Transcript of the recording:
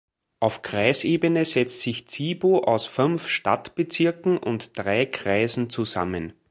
Auf Kreisebene setzt sich Zibo aus fünf Stadtbezirken und drei Kreisen zusammen.